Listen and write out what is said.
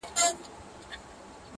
نه به ډزي وي، نه لاس د چا په وینو؛